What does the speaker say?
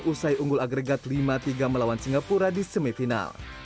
usai unggul agregat lima tiga melawan singapura di semifinal